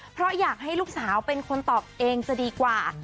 เพราะอยากให้ลูกสาวเป็นคนตอบเองจะดีกว่า